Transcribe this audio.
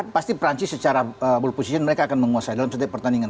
pasti perancis secara ball position mereka akan menguasai dalam setiap pertandingan